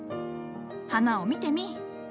花を見てみい。